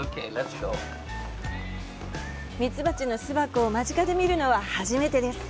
ミツバチの巣箱を身近で見るのは初めてです。